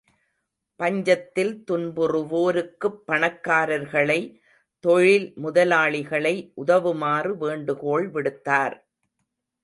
பஞ்சத்தில் துன்புறுவோருக்குப் பணக்காரர்களை, தொழில் முதலாளிகளை உதவுமாறு வேண்டுகோள் விடுத்தார்.